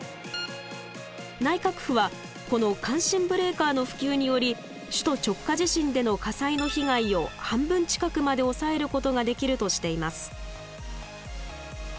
内閣府はこの感震ブレーカーの普及により首都直下地震での火災の被害を半分近くまで抑えることができるとしています。